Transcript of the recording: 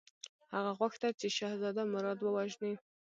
هغه غوښتل چې شهزاده مراد ووژني.